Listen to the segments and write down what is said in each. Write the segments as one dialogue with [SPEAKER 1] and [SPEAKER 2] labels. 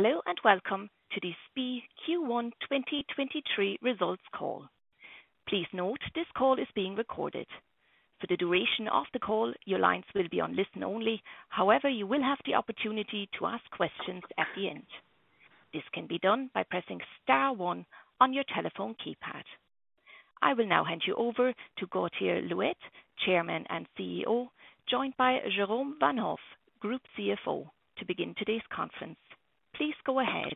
[SPEAKER 1] Hello and welcome to the SPIE Q1 2023 results call. Please note this call is being recorded. For the duration of the call, your lines will be on listen only. However, you will have the opportunity to ask questions at the end. This can be done by pressing star one on your telephone keypad. I will now hand you over to Gauthier Louette, Chairman and CEO, joined by Jérôme Vanhove, Group CFO, to begin today's conference. Please go ahead.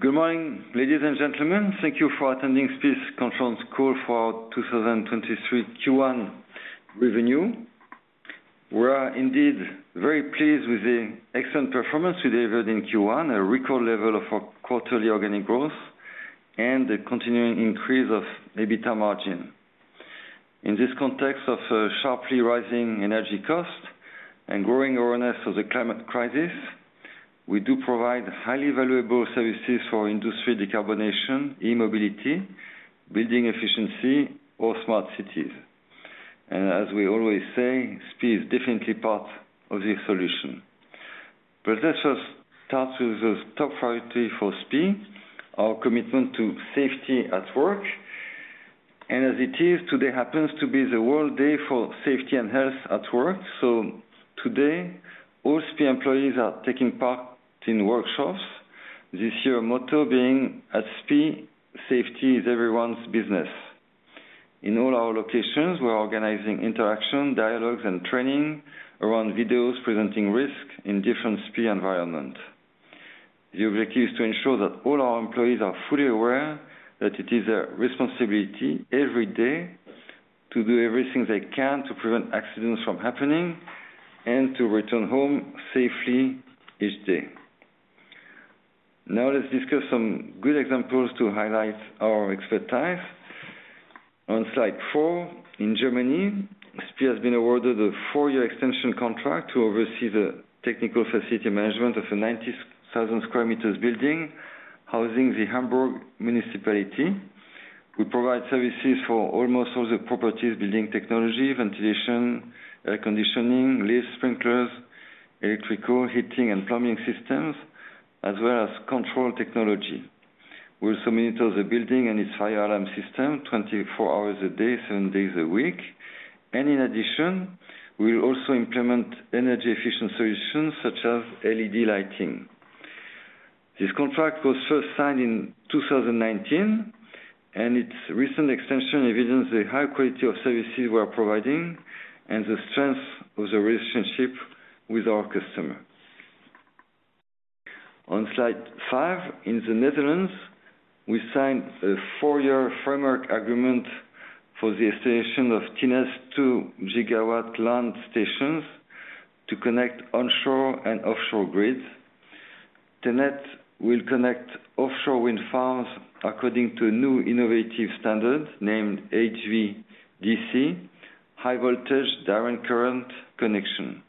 [SPEAKER 2] Good morning, ladies and gentlemen. Thank you for attending SPIE's conference call for 2023 Q1 revenue. We are indeed very pleased with the excellent performance we delivered in Q1, a record level of our quarterly organic growth and the continuing increase of EBITDA margin. In this context of sharply rising energy costs and growing awareness of the climate crisis, we do provide highly valuable services for industry decarbonization, e-mobility, building efficiency, or smart cities. As we always say, SPIE is definitely part of the solution. Let us start with the top priority for SPIE, our commitment to safety at work. As it is, today happens to be the World Day for Safety and Health at Work. Today, all SPIE employees are taking part in workshops. This year motto being, at SPIE safety is everyone's business. In all our locations, we're organizing interaction, dialogues, and training around videos presenting risk in different SPIE environment. The objective is to ensure that all our employees are fully aware that it is their responsibility every day to do everything they can to prevent accidents from happening and to return home safely each day. Now let's discuss some good examples to highlight our expertise. On slide four, in Germany, SPIE has been awarded a four years extension contract to oversee the technical facility management of a 90,000 square meters building housing the Hamburg municipality. We provide services for almost all the properties, building technology, ventilation, air conditioning, lifts, sprinklers, electrical, heating, and plumbing systems, as well as control technology. We also monitor the building and its fire alarm system 24 hours a day, seven days a week. In addition, we will also implement energy efficient solutions such as LED lighting. This contract was first signed in 2019, and its recent extension evidences the high quality of services we are providing and the strength of the relationship with our customer. On slide 5, in the Netherlands, we signed a four years framework agreement for the installation of TenneT's 2 GW land stations to connect onshore and offshore grids. TenneT will connect offshore wind farms according to a new innovative standard named HVDC, high voltage direct current connection.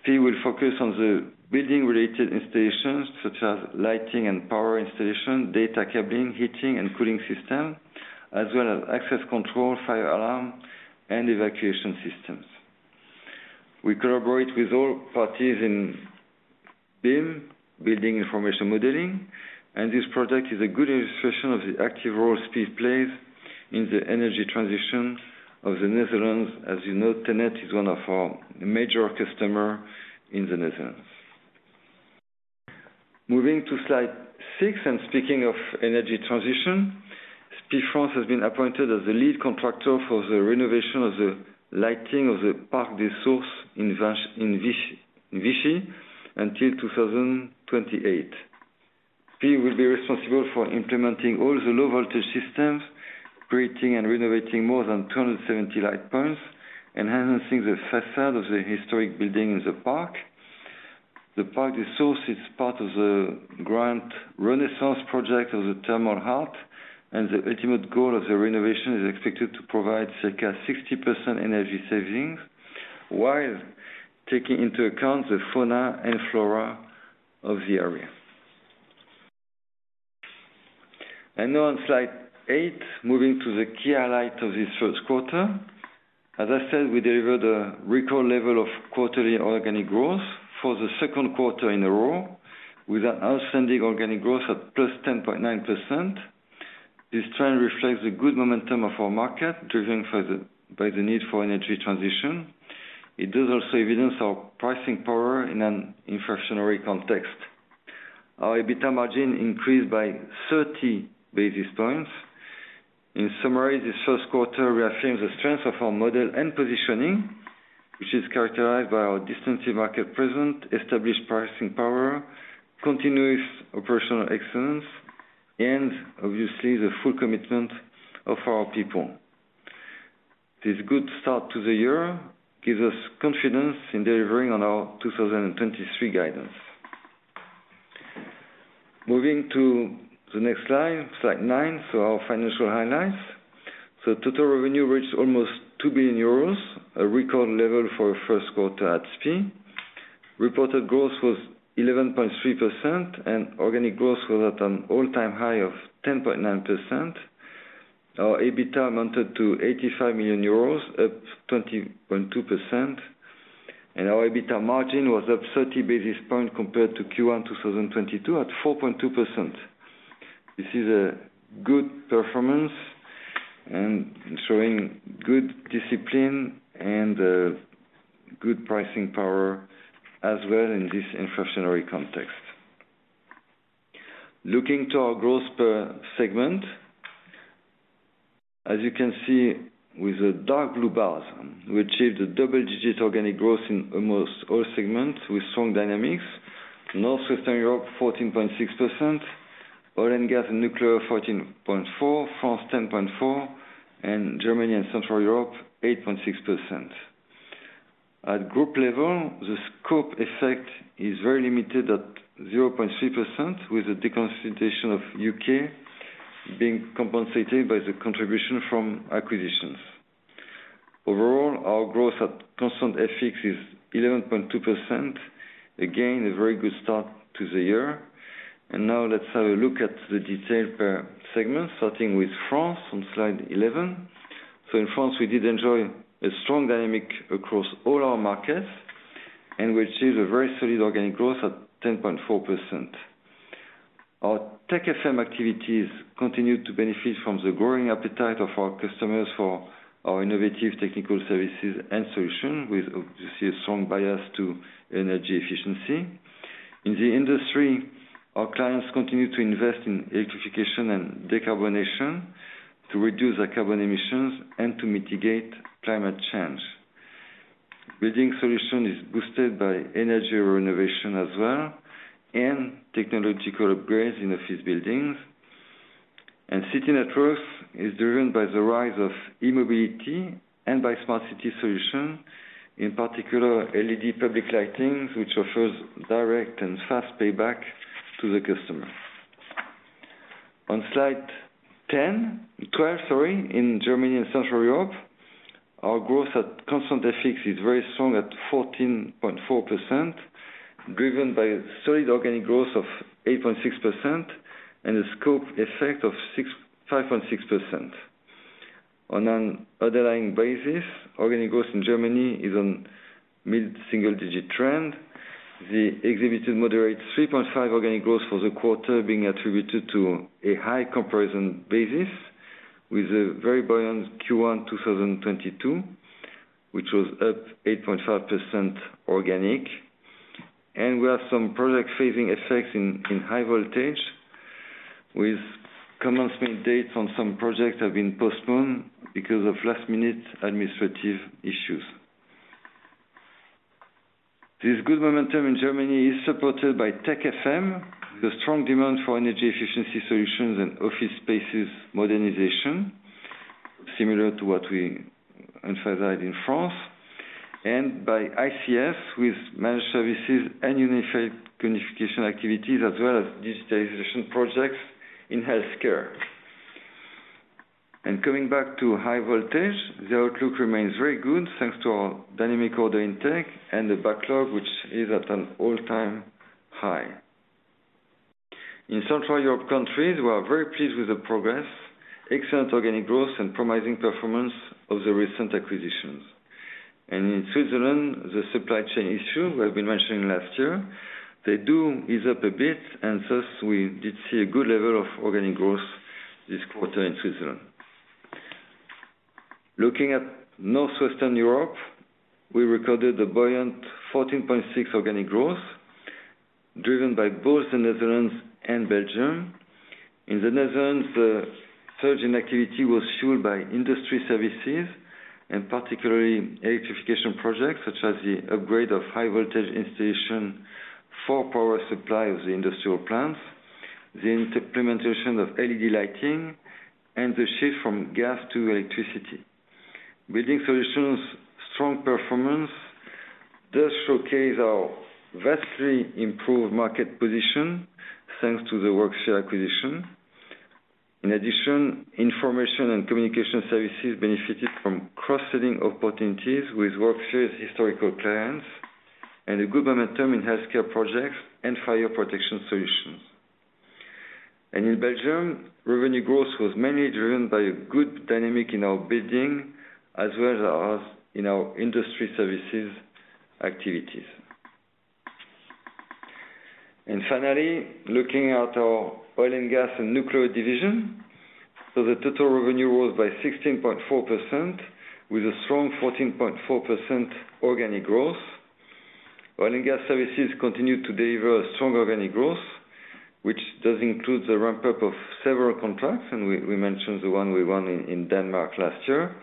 [SPEAKER 2] SPIE will focus on the building-related installations such as lighting and power installation, data cabling, heating and cooling system, as well as access control, fire alarm, and evacuation systems. We collaborate with all parties in BIM, Building Information Modeling, and this project is a good illustration of the active role SPIE plays in the energy transition of the Netherlands. As you know, TenneT is one of our major customer in the Netherlands. Moving to slide six and speaking of energy transition, SPIE France has been appointed as the lead contractor for the renovation of the lighting of the Parc des Sources in Vichy until 2028. SPIE will be responsible for implementing all the low voltage systems, creating and renovating more than 270 light posts, enhancing the façade of the historic building in the park. The Parc des Sources is part of the grand renaissance project of the thermal heart, the ultimate goal of the renovation is expected to provide circa 60% energy savings while taking into account the fauna and flora of the area. Now on slide eight, moving to the key highlight of this first quarter. As I said, we delivered a record level of quarterly organic growth for the second quarter in a row with an outstanding organic growth at +10.9%. This trend reflects the good momentum of our market, driven by the need for energy transition. It does also evidence our pricing power in an inflationary context. Our EBITDA margin increased by 30 basis points. In summary, this first quarter reaffirms the strength of our model and positioning, which is characterized by our distinctive market presence, established pricing power, continuous operational excellence, and obviously the full commitment of our people. This good start to the year gives us confidence in delivering on our 2023 guidance. Moving to the next slide nine, our financial highlights. Total revenue reached almost two billion euros, a record level for a first quarter at SPIE. Reported growth was 11.3% and organic growth was at an all-time high of 10.9%. Our EBITDA amounted to 85 million euros, up 20.2%, and our EBITDA margin was up 30 basis points compared to Q1, 2022 at 4.2%. This is a good performance and showing good discipline and good pricing power as well in this inflationary context. Looking to our growth per segment. As you can see with the dark blue bars, we achieved a double-digit organic growth in almost all segments with strong dynamics. Northwestern Europe 14.6%, oil and gas and nuclear 14.4%, France 10.4%, and Germany and Central Europe 8.6%. At group level, the scope effect is very limited at 0.3%, with the deconsolidation of U.K. being compensated by the contribution from acquisitions. Overall, our growth at constant FX is 11.2%. Again, a very good start to the year. Now let's have a look at the detail per segment, starting with France on slide 11. In France, we did enjoy a strong dynamic across all our markets, and we achieved a very solid organic growth of 10.4%. Our Tech FM activities continued to benefit from the growing appetite of our customers for our innovative technical services and solutions, with obviously a strong bias to energy efficiency. In the industry, our clients continue to invest in electrification and decarbonization to reduce their carbon emissions and to mitigate climate change. Building solution is boosted by energy renovation as well and technological upgrades in office buildings. City networks is driven by the rise of e-mobility and by smart city solutions, in particular LED public lightings, which offers direct and fast payback to the customer. On slide 12, sorry, in Germany and Central Europe, our growth at constant FX is very strong at 14.4%, driven by solid organic growth of 8.6% and a scope effect of 5.6%. On an underlying basis, organic growth in Germany is on mid-single digit trend. The exhibited moderate 3.5% organic growth for the quarter being attributed to a high comparison basis with a very buoyant Q1 2022, which was up 8.5% organic. We have some product phasing effects in high voltage with commencement dates on some projects have been postponed because of last-minute administrative issues. This good momentum in Germany is supported by Tech FM, the strong demand for energy efficiency solutions and office spaces modernization, similar to what we emphasized in France, and by ICS with managed services and unified communication activities as well as digitalization projects in healthcare. Coming back to high voltage, the outlook remains very good thanks to our dynamic order intake and the backlog, which is at an all-time high. In Central Europe countries, we are very pleased with the progress, excellent organic growth, and promising performance of the recent acquisitions. In Switzerland, the supply chain issue we have been mentioning last year, they do ease up a bit and thus we did see a good level of organic growth this quarter in Switzerland. Looking at Northwestern Europe, we recorded a buoyant 14.6% organic growth driven by both the Netherlands and Belgium. In the Netherlands, the surge in activity was fueled by industry services and particularly electrification projects such as the upgrade of high voltage installation for power supply of the industrial plants, the implementation of LED lighting, and the shift from gas to electricity. Building solutions strong performance does showcase our vastly improved market position thanks to the Worksphere acquisition. In addition, information and communication services benefited from cross-selling opportunities with Worksphere's historical clients and a good momentum in healthcare projects and fire protection solutions. In Belgium, revenue growth was mainly driven by a good dynamic in our building as well as in our industry services activities. Finally, looking at our oil and gas and nuclear division. The total revenue was by 16.4% with a strong 14.4% organic growth. Oil and gas services continued to deliver strong organic growth, which does include the ramp-up of several contracts. We mentioned the one we won in Denmark last year.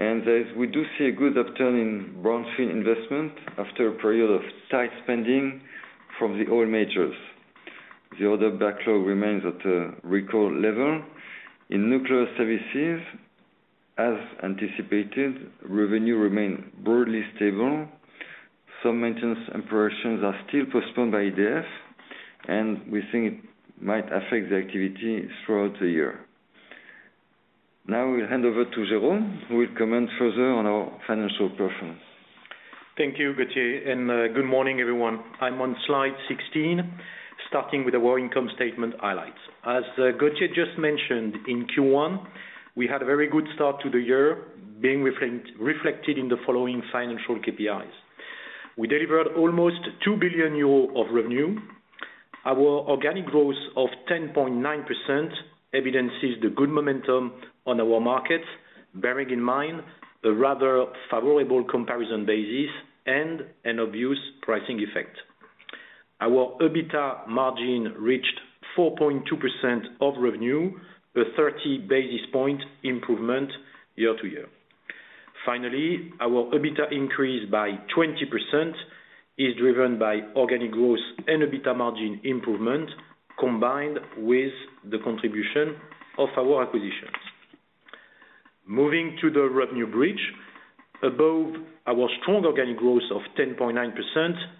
[SPEAKER 2] As we do see a good upturn in brownfield investment after a period of tight spending from the oil majors. The order backlog remains at a record level. In nuclear services, as anticipated, revenue remained broadly stable. Some maintenance operations are still postponed by EDF, and we think it might affect the activity throughout the year. Now we hand over to Jérôme, who will comment further on our financial performance.
[SPEAKER 3] Thank you, Gauthier, good morning, everyone. I'm on slide 16, starting with our income statement highlights. As Gauthier just mentioned, in Q1, we had a very good start to the year being reflected in the following financial KPIs. We delivered almost 2 billion euro of revenue. Our organic growth of 10.9% evidences the good momentum on our markets, bearing in mind a rather favorable comparison basis and an abuse pricing effect. Our EBITDA margin reached 4.2% of revenue, a 30 basis point improvement year-over-year. Finally, our EBITDA increased by 20% is driven by organic growth and EBITDA margin improvement combined with the contribution of our acquisitions. Moving to the revenue bridge. Above our strong organic growth of 10.9%,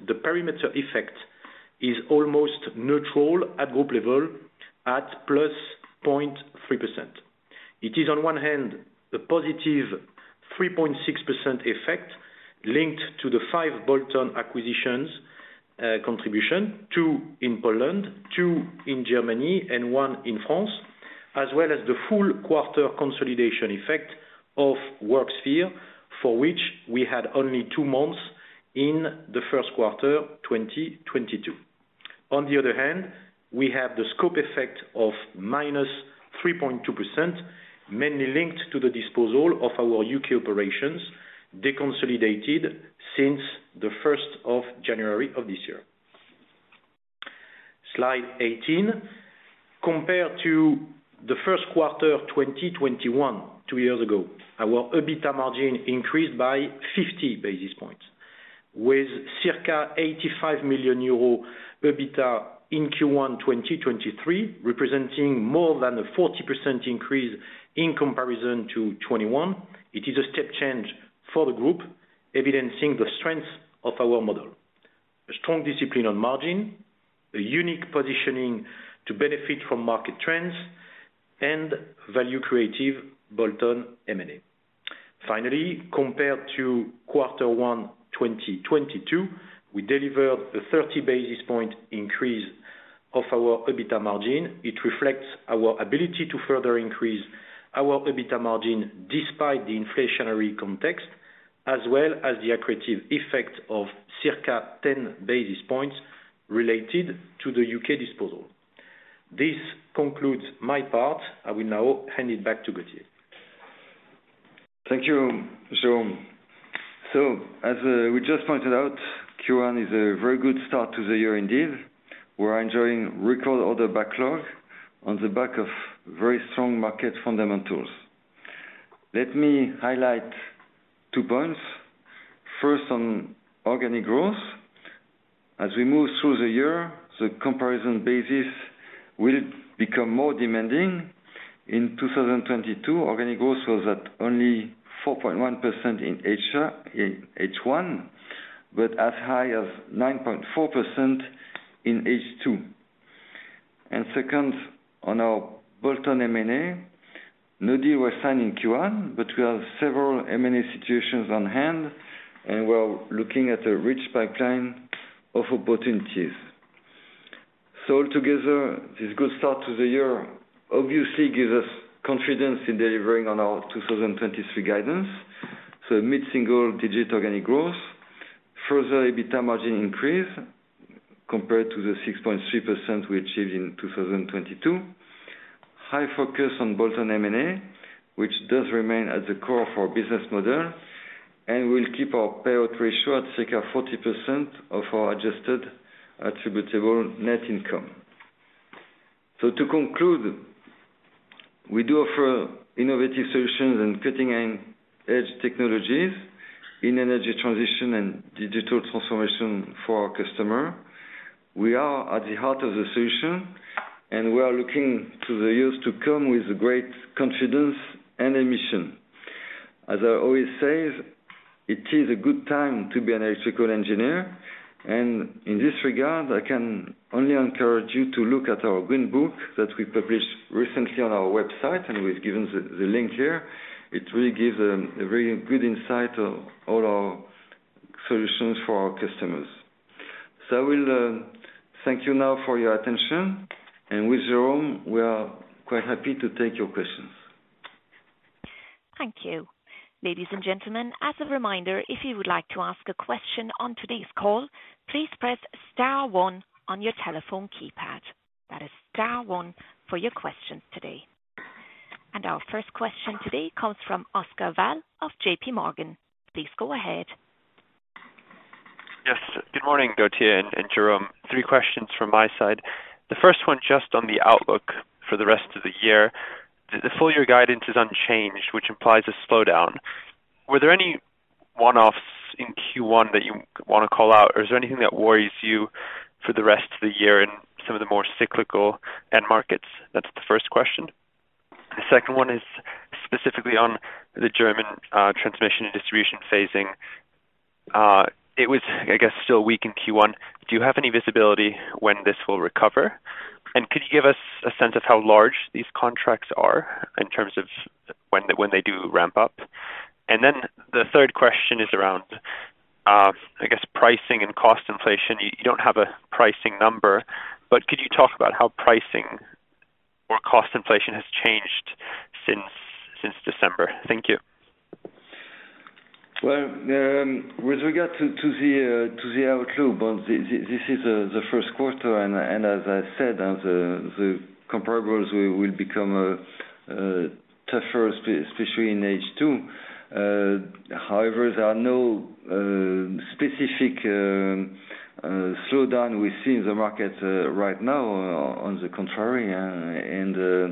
[SPEAKER 3] the perimeter effect is almost neutral at group level at +0.3%. It is on one hand a positive 3.6% effect linked to the 5 bolt-on acquisitions, contribution, 2 in Poland, 2 in Germany and 1 in France, as well as the full quarter consolidation effect of Worksphere, for which we had only two months in the first quarter 2022. On the other hand, we have the scope effect of -3.2%, mainly linked to the disposal of our U.K. operations, deconsolidated since the 1st of January of this year. Slide 18. Compared to the first quarter of 2021, 2 years ago, our EBITDA margin increased by 50 basis points, with circa 85 million euro EBITDA in Q1 2023, representing more than a 40% increase in comparison to 2021. It is a step change for the group, evidencing the strength of our model. A strong discipline on margin, a unique positioning to benefit from market trends and value-creative bolt-on M&A. Compared to quarter one, 2022, we delivered a 30 basis point increase of our EBITDA margin. It reflects our ability to further increase our EBITDA margin despite the inflationary context, as well as the accretive effect of circa 10 basis points related to the U.K. disposal. This concludes my part. I will now hand it back to Gauthier.
[SPEAKER 2] Thank you, Jérôme. As we just pointed out, Q1 is a very good start to the year indeed. We're enjoying record order backlog on the back of very strong market fundamentals. Let me highlight two points. First on organic growth. As we move through the year, the comparison basis will become more demanding. In 2022, organic growth was at only 4.1% in H1, but as high as 9.4% in H2. Second, on our bolt-on M&A, no deal were signed in Q1, but we have several M&A situations on hand, and we are looking at a rich pipeline of opportunities. Altogether, this good start to the year obviously gives us confidence in delivering on our 2023 guidance. Mid-single digit organic growth. Further EBITDA margin increase compared to the 6.3% we achieved in 2022. High focus on bolt-on M&A, which does remain at the core of our business model. We'll keep our payout ratio at circa 40% of our adjusted attributable net income. To conclude, we do offer innovative solutions and cutting-edge technologies in energy transition and digital transformation for our customer. We are at the heart of the solution and we are looking to the years to come with great confidence and emission. As I always say, it is a good time to be an electrical engineer, and in this regard, I can only encourage you to look at our green book that we published recently on our website, and we've given the link here. It really gives a very good insight of all our solutions for our customers. I will thank you now for your attention. With Jerome, we are quite happy to take your questions.
[SPEAKER 1] Thank you. Ladies and gentlemen, as a reminder, if you would like to ask a question on today's call, please press star one on your telephone keypad. That is star one for your questions today. Our first question today comes from Oscar Val of J.P. Morgan. Please go ahead.
[SPEAKER 4] Yes, good morning, Gauthier and Jérôme. Three questions from my side. The first 1 just on the outlook for the rest of the year. The full year guidance is unchanged, which implies a slowdown. Were there any one-offs in Q1 that you wanna call out, or is there anything that worries you for the rest of the year in some of the more cyclical end markets? That's the first question. The second one is specifically on the German transmission and distribution phasing. It was, I guess, still weak in Q1. Do you have any visibility when this will recover? Could you give us a sense of how large these contracts are in terms of when they do ramp up. The third question is around, I guess pricing and cost inflation. You don't have a pricing number, could you talk about how pricing or cost inflation has changed since December? Thank you.
[SPEAKER 2] With regard to the outlook, but this is the first quarter and as I said, as the comparables will become tougher especially in H2. However, there are no specific slowdown we see in the market right now on the contrary.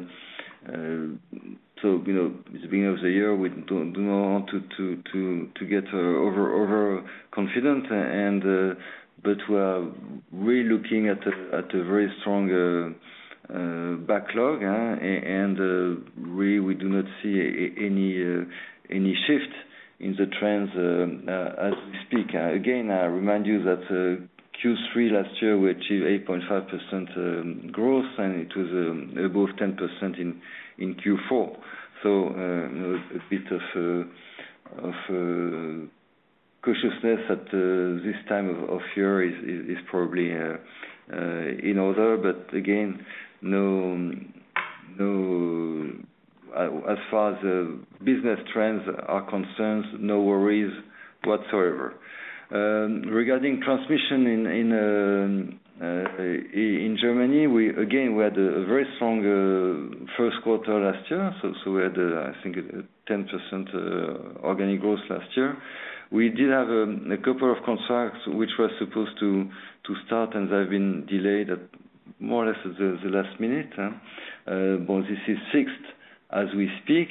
[SPEAKER 2] So, you know, at the beginning of the year, we do not want to get over confident and we are really looking at a very strong backlog and we do not see any shift in the trends as we speak. Again, I remind you that Q3 last year, we achieved 8.5% growth, and it was above 10% in Q4. A bit of cautiousness at this time of year is probably in order. Again, as far as business trends are concerned, no worries whatsoever. Regarding transmission in Germany, we had a very strong first quarter last year, we had, I think 10% organic growth last year. We did have a couple of contracts which were supposed to start, and they've been delayed at more or less at the last minute. This is fixed as we speak,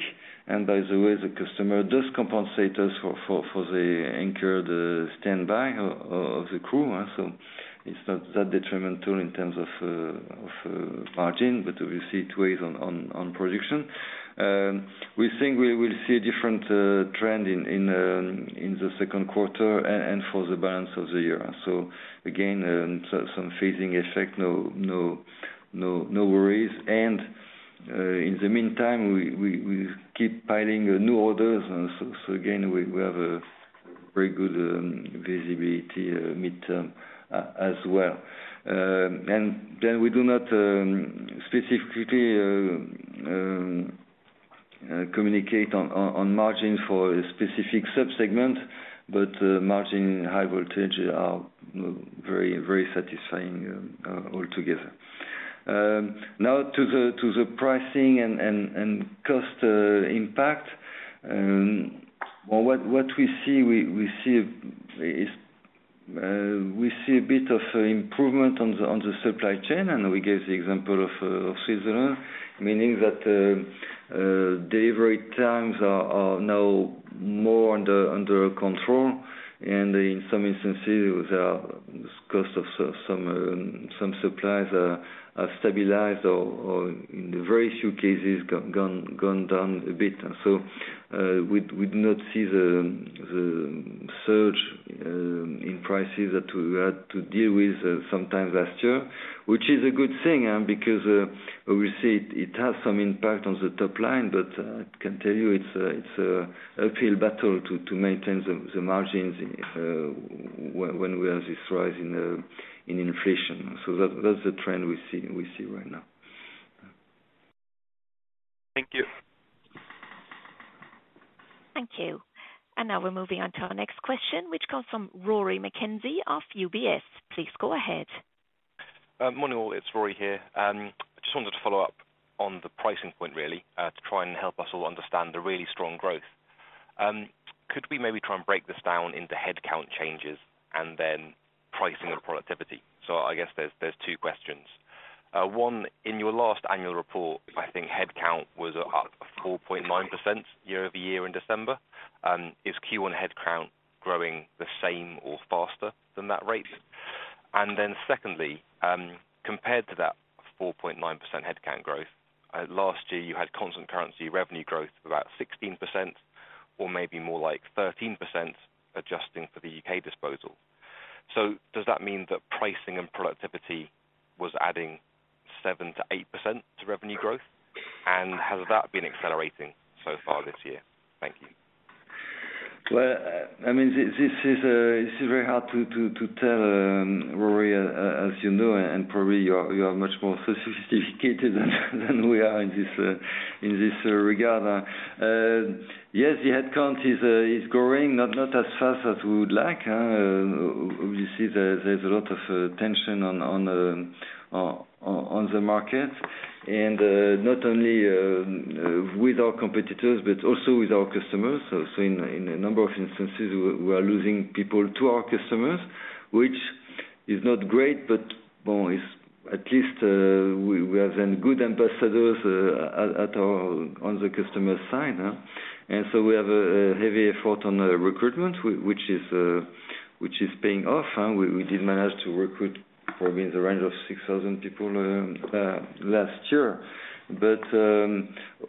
[SPEAKER 2] and by the way, the customer does compensate us for the incurred standby of the crew. It's not that detrimental in terms of margin. We see it weighs on prediction. We think we will see a different trend in the second quarter and for the balance of the year. Again, some phasing effect, no worries. In the meantime, we keep piling new orders. Again, we have a very good visibility mid-term as well. We do not specifically communicate on margin for a specific subsegment, but margin high voltage are very satisfying altogether. Now to the pricing and cost impact. Well, what we see is, we see a bit of improvement on the supply chain, and we gave the example of Switzerland, meaning that delivery times are now more under control. In some instances, the cost of some suppliers are stabilized or in very few cases have gone down a bit. We'd not see the surge in prices that we had to deal with sometime last year, which is a good thing, because we see it has some impact on the top line. I can tell you it's an uphill battle to maintain the margins when we have this rise in inflation. That's the trend we see right now.
[SPEAKER 4] Thank you.
[SPEAKER 1] Thank you. Now we're moving on to our next question, which comes from Rory McKenzie of UBS. Please go ahead.
[SPEAKER 5] Morning all, it's Rory here. Just wanted to follow up on the pricing point really, to try and help us all understand the really strong growth. Could we maybe try and break this down into headcount changes and then pricing and productivity? I guess there's two questions. One, in your last annual report, I think headcount was up 4.9% year-over-year in December. Is Q1 headcount growing the same or faster than that rate? Secondly, compared to that 4.9% headcount growth, last year, you had constant currency revenue growth of about 16% or maybe more like 13%, adjusting for the U.K. disposal. Does that mean that pricing and productivity was adding 7%-8% to revenue growth? Has that been accelerating so far this year? Thank you.
[SPEAKER 2] Well, I mean, this is very hard to tell, Rory, as you know, and probably you're much more sophisticated than we are in this regard. Yes, the headcount is growing, not as fast as we would like. Obviously there's a lot of tension on the market, not only with our competitors, but also with our customers. In a number of instances, we are losing people to our customers, which is not great, but well, it's at least we have then good ambassadors on the customer side. We have a heavy effort on the recruitment, which is paying off. We did manage to recruit probably in the range of 6,000 people last year.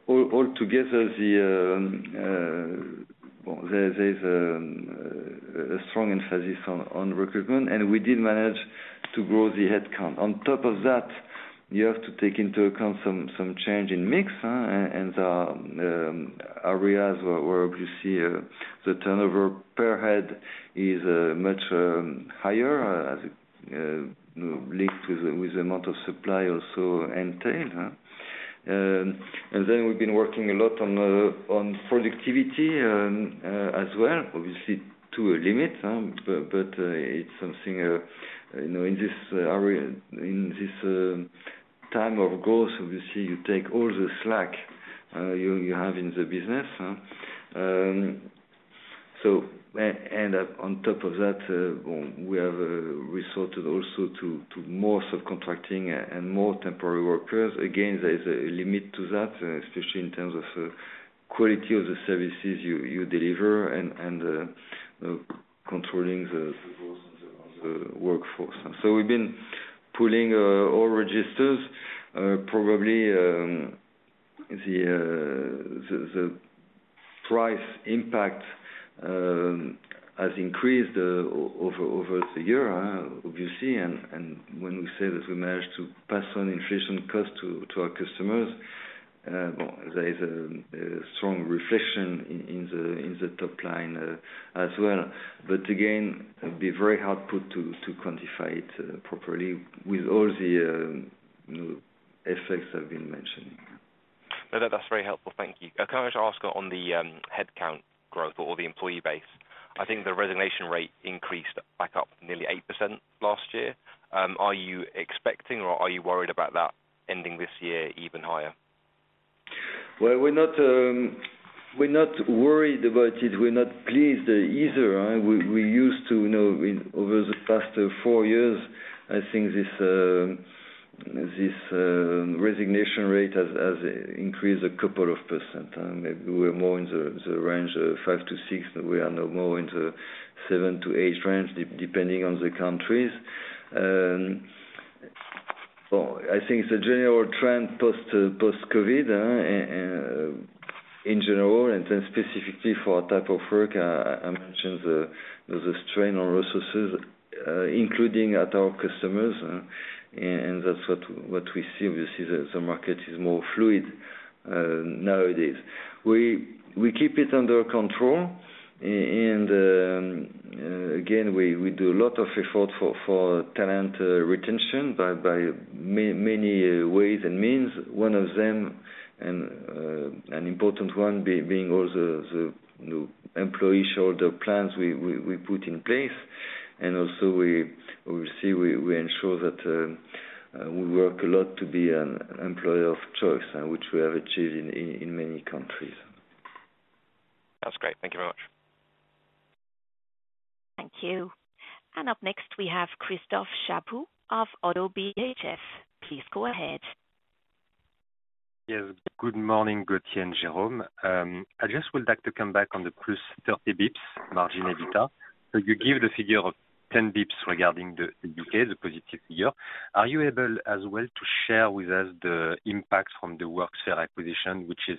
[SPEAKER 2] All together, there's a strong emphasis on recruitment, and we did manage to grow the headcount. On top of that, you have to take into account some change in mix, huh, and areas where you see the turnover per head is much higher, as it linked with the amount of supply also entail, huh? And then we've been working a lot on productivity as well, obviously to a limit, but it's something, you know, in this area, in this time of growth, obviously you take all the slack you have in the business, huh? And on top of that, well, we have resorted also to more subcontracting and more temporary workers. Again, there is a limit to that, especially in terms of quality of the services you deliver and controlling the workforce. We've been pulling all registers. Probably, the price impact has increased over the year, obviously, and when we say that we managed to pass on inflation cost to our customers, well, there is a strong reflection in the top line as well. Again, it'd be very hard put to quantify it properly with all the, you know, effects I've been mentioning.
[SPEAKER 5] No, that's very helpful. Thank you. Can I just ask on the headcount growth or the employee base? I think the resignation rate increased back up nearly 8% last year. Are you expecting, or are you worried about that ending this year even higher?
[SPEAKER 2] Well, we're not worried about it. We're not pleased either. We used to, you know, over the past four years, I think this resignation rate has increased a couple of percent. We were more in the range of 5% to 6%, but we are now more into 7% to 8% range depending on the countries. I think the general trend post COVID, in general, and then specifically for our type of work, I mentioned the strain on resources, including at our customers. That's what we see. We see the market is more fluid nowadays. We keep it under control. Again, we do a lot of effort for talent retention by many ways and means. One of them, an important one being all the, you know, employee shareholder plans we put in place. Also we see, we ensure that we work a lot to be an employer of choice, which we have achieved in many countries.
[SPEAKER 5] That's great. Thank you very much.
[SPEAKER 1] Thank you. Up next, we have Christophe Chaput of ODDO BHF. Please go ahead.
[SPEAKER 6] Yes. Good morning, Gauthier and Jérôme. I just would like to come back on the +30 basis points margin EBITDA. You give the figure of 10 basis points regarding the U.K., the positive figure. Are you able as well to share with us the impact from the Worksphere acquisition, which is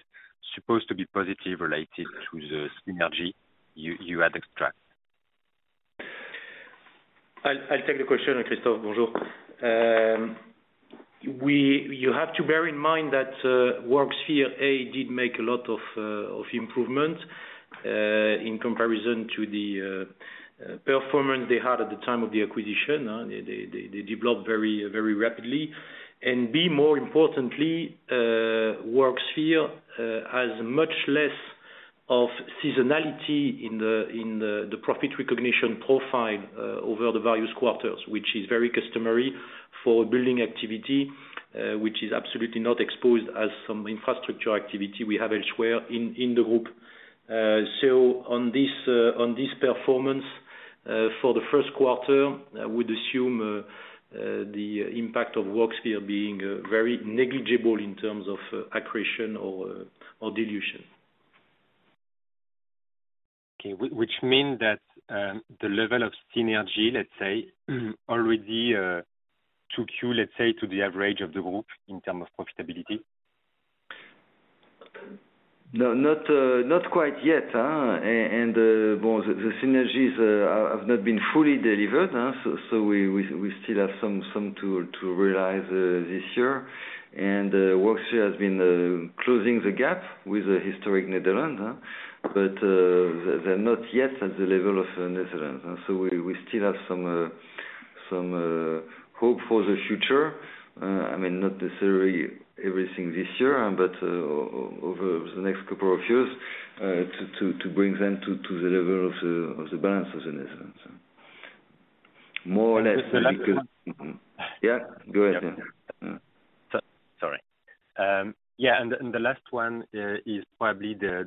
[SPEAKER 6] supposed to be positive related to the synergy you had extract?
[SPEAKER 2] I'll take the question, Christophe. Bonjour. You have to bear in mind that Worksphere, A, did make a lot of improvement in comparison to the performance they had at the time of the acquisition. They developed very rapidly. B, more importantly, Worksphere has much less of seasonality in the profit recognition profile over the various quarters, which is very customary for building activity, which is absolutely not exposed as some infrastructure activity we have elsewhere in the group. On this performance for the first quarter, I would assume the impact of Worksphere being very negligible in terms of accretion or dilution.
[SPEAKER 6] Okay. Which mean that, the level of synergy, let's say, already, took you, let's say, to the average of the group in terms of profitability?
[SPEAKER 2] No, not quite yet. Well, the synergies have not been fully delivered, so we still have some to realize this year. Worksphere has been closing the gap with the historic Netherlands, but they're not yet at the level of Netherlands. We still have some hope for the future. I mean, not necessarily everything this year, but over the next couple of years, to bring them to the level of the balances in a sense. More or less.
[SPEAKER 6] The last one...
[SPEAKER 2] Yeah, go ahead.
[SPEAKER 6] Sorry. Yeah, the last one is probably the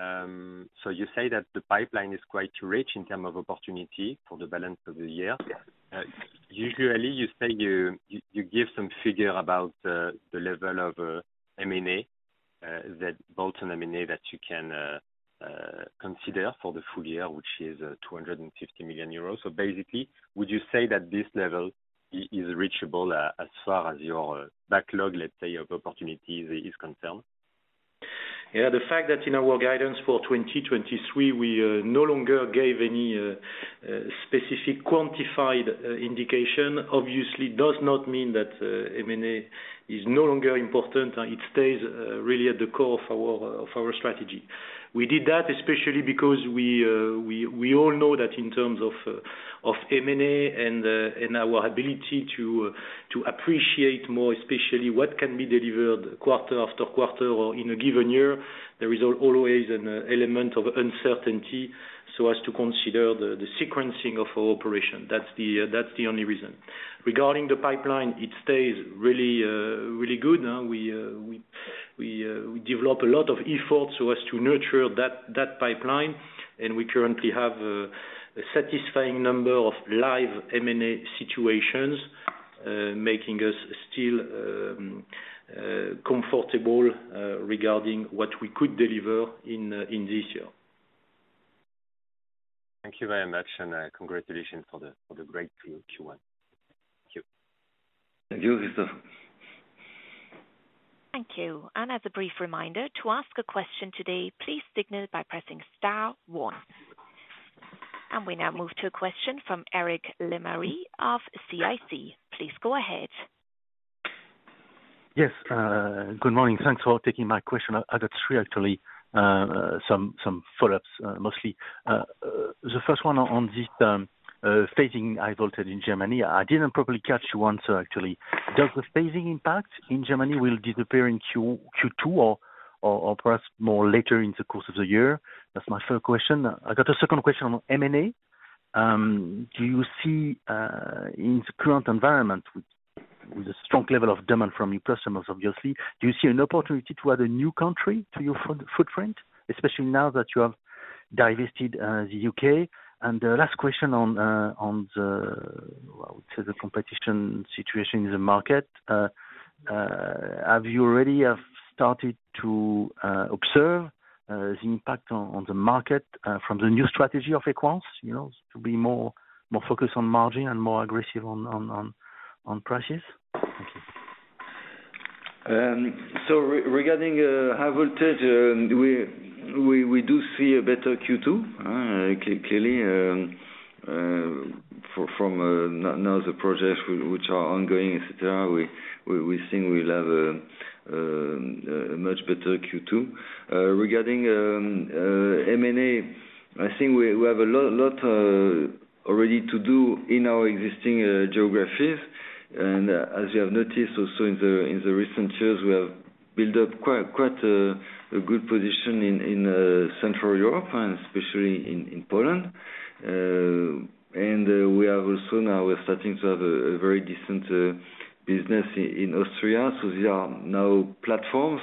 [SPEAKER 6] M&A. You say that the pipeline is quite rich in term of opportunity for the balance of the year.
[SPEAKER 2] Yeah.
[SPEAKER 6] Usually you say you give some figure about the level of M&A, that bolt-on M&A that you can consider for the full year, which is 250 million euros. Basically, would you say that this level is reachable as far as your backlog, let's say, of opportunity is concerned?
[SPEAKER 2] Yeah, the fact that in our guidance for 2023 we no longer gave any specific quantified indication obviously does not mean that M&A is no longer important. It stays really at the core of our strategy. We did that especially because we all know that in terms of M&A and our ability to appreciate more especially what can be delivered quarter after quarter or in a given year, there is always an element of uncertainty so as to consider the sequencing of our operation. That's the only reason. Regarding the pipeline, it stays really good. We develop a lot of efforts so as to nurture that pipeline. We currently have a satisfying number of live M&A situations, making us still comfortable regarding what we could deliver in this year.
[SPEAKER 7] Thank you very much, congratulations for the great Q1. Thank you.
[SPEAKER 2] Thank you, Christophe.
[SPEAKER 1] Thank you. As a brief reminder, to ask a question today, please signal by pressing star one. We now move to a question from Eric Lemarié of CIC. Please go ahead.
[SPEAKER 8] Yes. Good morning. Thanks for taking my question. I've got three actually, some follow-ups mostly. The first one on this term, phasing high voltage in Germany. I didn't properly catch once actually. Does the phasing impact in Germany will disappear in Q2 or perhaps more later in the course of the year? That's my first question. I got a second question on M&A. Do you see in the current environment with a strong level of demand from your customers, obviously, do you see an opportunity to add a new country to your footprint, especially now that you have divested the UK? The last question on the, well, say the competition situation in the market, have you already started to observe the impact on the market, from the new strategy of Equans, you know, to be more focused on margin and more aggressive on prices? Thank you.
[SPEAKER 2] Regarding high voltage, we do see a better Q2 clearly. From now the projects which are ongoing, et cetera, we think we'll have a much better Q2. Regarding M&A, I think we have a lot already to do in our existing geographies. As you have noticed also in the recent years, we have built up quite a good position in Central Europe and especially in Poland. We have also now we're starting to have a very decent business in Austria. These are now platforms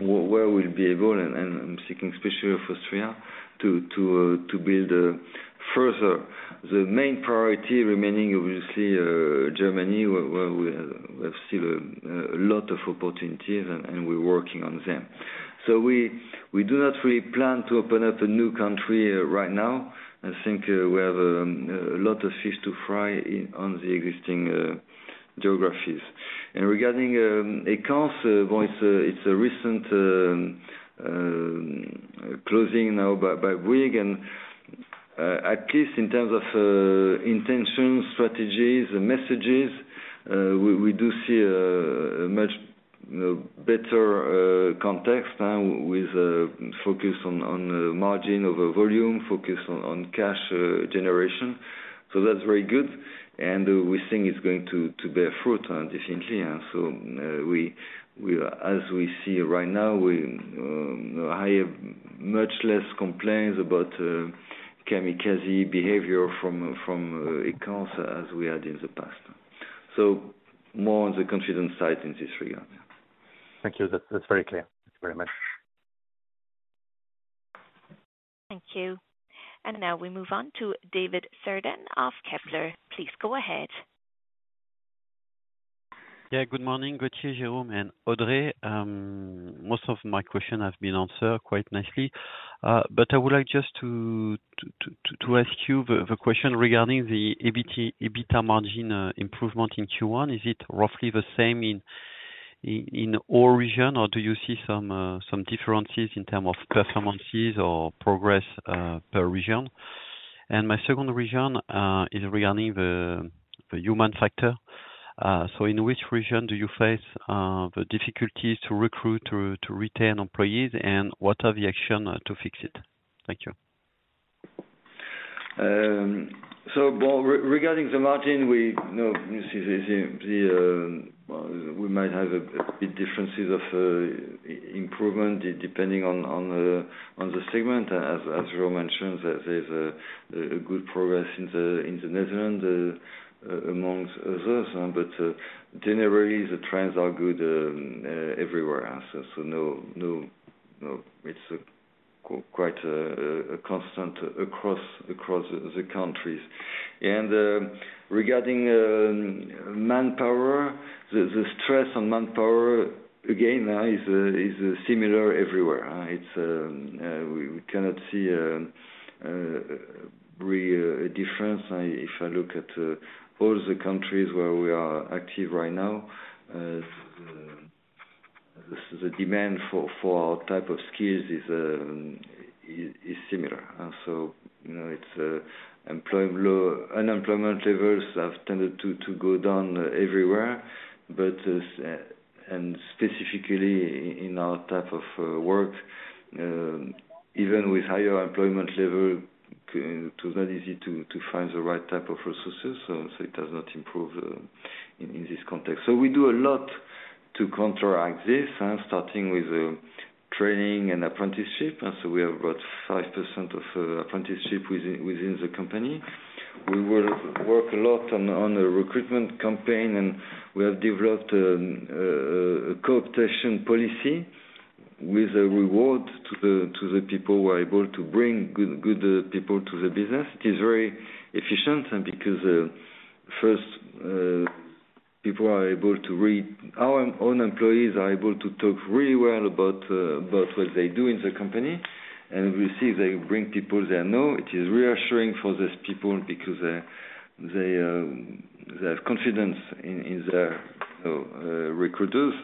[SPEAKER 2] where we'll be able and I'm thinking especially of Austria to build further. The main priority remaining obviously, Germany, where we have still a lot of opportunities and we're working on them. So we do not really plan to open up a new country right now. I think we have a lot of fish to fry on the existing geographies. And regarding Equans, well, it's a recent closing now by Bouygues and, at least in terms of intentions, strategies and messages, we do see a much better context with a focus on margin over volume, focus on cash generation. So that's very good. And we think it's going to bear fruit definitely. We as we see right now, we, I have much less complaints about kamikaze behavior from Equans as we had in the past. More on the confident side in this regard.
[SPEAKER 8] Thank you. That's very clear. Thank you very much.
[SPEAKER 1] Thank you. Now we move on to David Cerdan of Kepler. Please go ahead.
[SPEAKER 9] Yeah. Good morning. Gauthier, Jérôme and Audrey. Most of my questions have been answered quite nicely. But I would like just to ask you the question regarding the EBIT, EBITDA margin improvement in Q1. Is it roughly the same in all regions, or do you see some differences in terms of performances or progress per region? My second question is regarding the human factor. In which region do you face the difficulties to recruit, to retain employees, and what are the actions to fix it? Thank you.
[SPEAKER 2] Regarding the margin, we know you see the, we might have a bit differences of improvement depending on the segment. As Jérôme mentioned, there's a good progress in the Netherlands amongst others. Generally the trends are good everywhere else. No, it's quite a constant across the countries. Regarding manpower, the stress on manpower again now is similar everywhere. It's, we cannot see really a difference. If I look at all the countries where we are active right now, the demand for our type of skills is similar. You know, it's unemployment levels have tended to go down everywhere, but and specifically in our type of work, even with higher employment level, it was not easy to find the right type of resources, so it does not improve in this context. We do a lot to counteract this, starting with training and apprenticeship. We have about 5% of apprenticeship within the company. We will work a lot on a recruitment campaign, and we have developed a co-optation policy with a reward to the people who are able to bring good people to the business. It is very efficient and because first, people are able to read... Our own employees are able to talk really well about what they do in the company, and we see they bring people they know. It is reassuring for these people because they have confidence in their recruiters.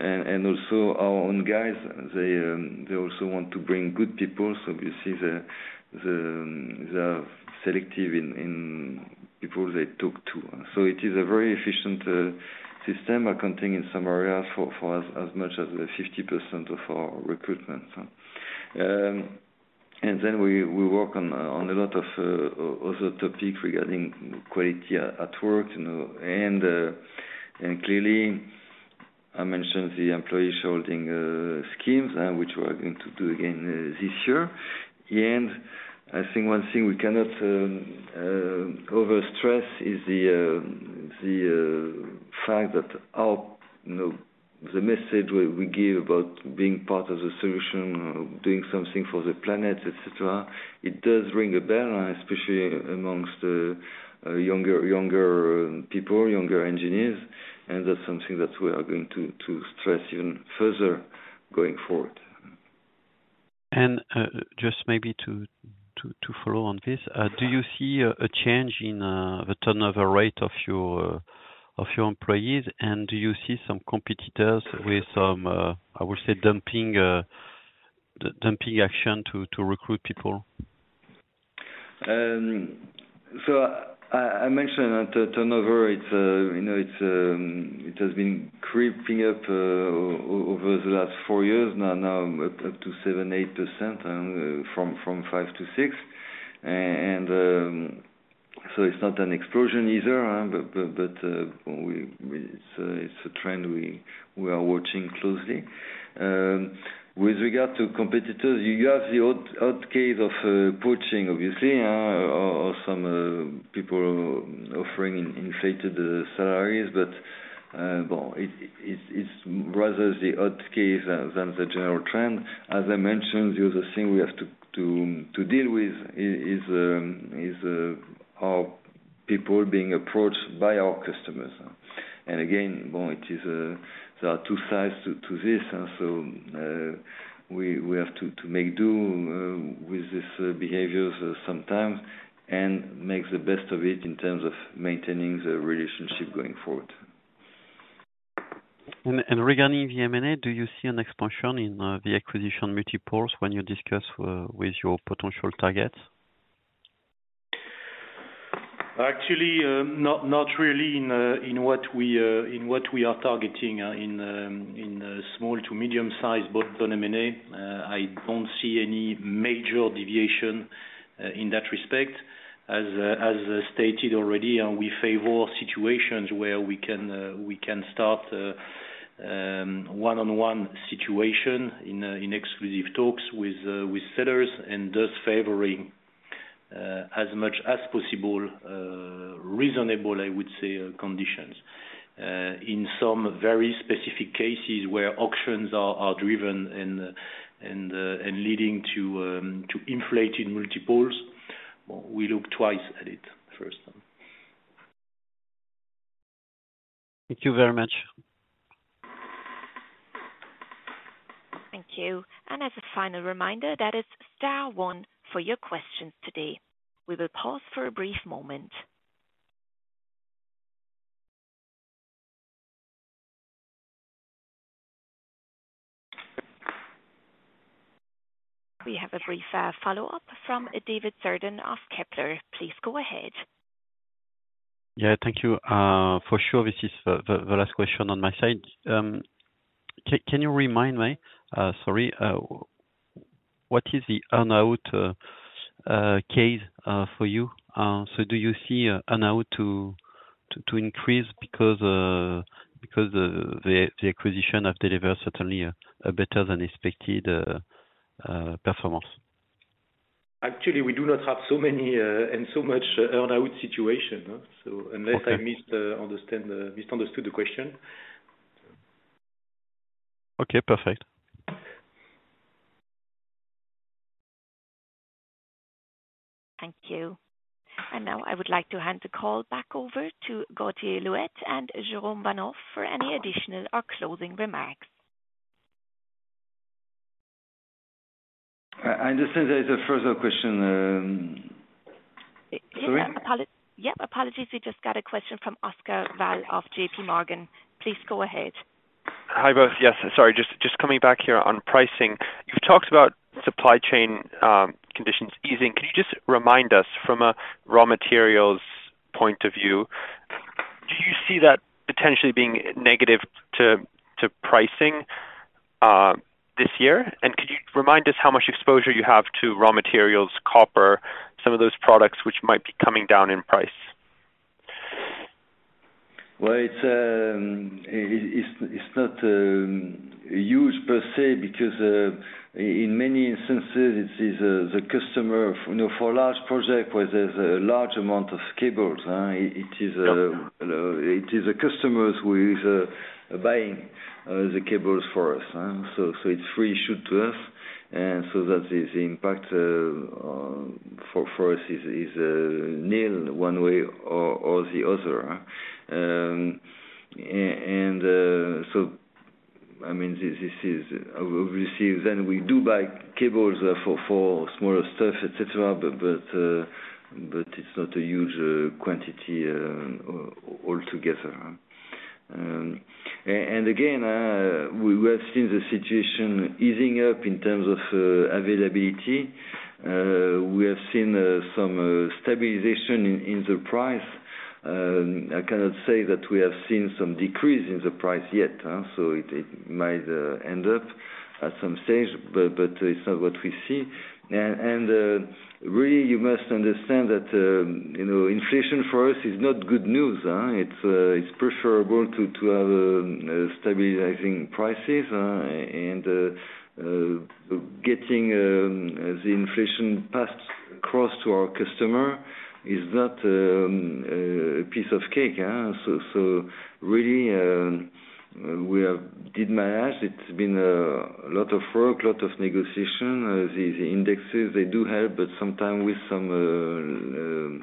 [SPEAKER 2] Also our own guys, they also want to bring good people, so obviously they're selective in people they talk to. So it is a very efficient system accounting in some areas for as much as 50% of our recruitment. Then we work on a lot of other topics regarding quality at work, you know, and clearly I mentioned the employee sharing schemes which we are going to do again this year. I think one thing we cannot overstress is the fact that our, you know, the message we give about being part of the solution, doing something for the planet, et cetera, it does ring a bell, and especially amongst younger people, younger engineers, and that's something that we are going to stress even further going forward.
[SPEAKER 9] Just maybe to follow on this, do you see a change in the turnover rate of your employees? Do you see some competitors with some, I would say dumping action to recruit people?
[SPEAKER 2] I mentioned that turnover, it's, you know, it's, it has been creeping up over the last four years. Now up to 7%, 8% from 5% to 6%. It's not an explosion either, but it's a trend we are watching closely. With regard to competitors, you have the odd case of poaching, obviously, or some people offering inflated salaries. Well, it's rather the odd case than the general trend. As I mentioned, the other thing we have to deal with is our people being approached by our customers. Again, well, there are two sides to this. We have to make do with this behaviors sometimes and make the best of it in terms of maintaining the relationship going forward.
[SPEAKER 9] Regarding the M&A, do you see an expansion in the acquisition multiples when you discuss with your potential targets?
[SPEAKER 2] Actually, not really in what we in what we are targeting in small to medium-sized bolt-on M&A. I don't see any major deviation in that respect. As stated already, we favor situations where we can start one-on-one situation in exclusive talks with with sellers and thus favoring as much as possible reasonable, I would say, conditions. In some very specific cases where auctions are driven and leading to inflated multiples, we look twice at it first.
[SPEAKER 9] Thank you very much.
[SPEAKER 1] Thank you. As a final reminder, that is star one for your questions today. We will pause for a brief moment. We have a brief follow-up from David Cerdan of Kepler. Please go ahead.
[SPEAKER 9] Thank you. For sure, this is the last question on my side. Can you remind me, sorry, what is the earn out case for you? Do you see earn out to increase because the acquisition have delivered certainly a better than expected performance?
[SPEAKER 2] Actually, we do not have so many, and so much earn out situation. Unless I missed, misunderstood the question.
[SPEAKER 9] Okay, perfect.
[SPEAKER 1] Thank you. Now I would like to hand the call back over to Gauthier Louette and Jérôme Vanhove for any additional or closing remarks.
[SPEAKER 2] I understand there's a further question.
[SPEAKER 1] Yeah, apologies. We just got a question from Oscar Val of J.P. Morgan. Please go ahead.
[SPEAKER 4] Hi, both. Yes, sorry. Just coming back here on pricing. You've talked about supply chain conditions easing. Can you just remind us from a raw materials point of view, do you see that potentially being negative to pricing this year? Could you remind us how much exposure you have to raw materials, copper, some of those products which might be coming down in price?
[SPEAKER 2] Well, it's not huge per se because in many instances, it is the customer. You know, for a large project where there's a large amount of cables, it is, it is the customers who is buying the cables for us, huh? It's free issue to us. That is the impact for us is nil one way or the other. I mean, this is obviously then we do buy cables for smaller stuff, et cetera, but it's not a huge quantity all together, huh? Again, we have seen the situation easing up in terms of availability. We have seen some stabilization in the price. I cannot say that we have seen some decrease in the price yet, huh? It, it might end up at some stage, but it's not what we see. Really, you must understand that, you know, inflation for us is not good news. It's preferable to have stabilizing prices, and getting the inflation passed across to our customer is not a piece of cake. Really, we have did manage. It's been a lot of work, lot of negotiation. The indexes, they do help, but sometime with some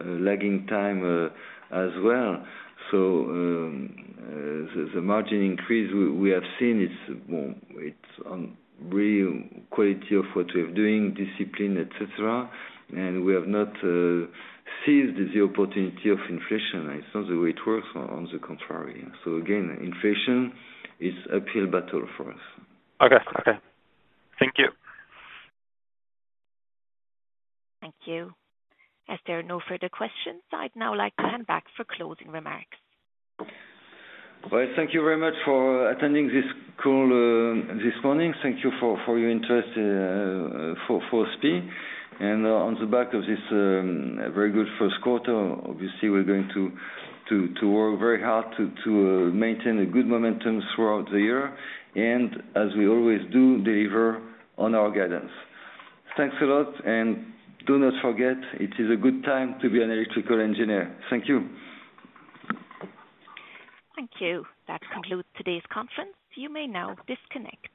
[SPEAKER 2] lagging time as well. The margin increase we have seen is, well, it's on real quality of what we're doing, discipline, etc. And we have not seized the opportunity of inflation. It's not the way it works, on the contrary. Again, inflation is uphill battle for us.
[SPEAKER 4] Okay. Okay. Thank you.
[SPEAKER 1] Thank you. As there are no further questions, I'd now like to hand back for closing remarks.
[SPEAKER 2] Well, thank you very much for attending this call, this morning. Thank you for your interest, for SPIE. On the back of this, very good first quarter, obviously we're going to work very hard to maintain a good momentum throughout the year and as we always do, deliver on our guidance. Thanks a lot, and do not forget it is a good time to be an electrical engineer. Thank you.
[SPEAKER 1] Thank you. That concludes today's conference. You may now disconnect.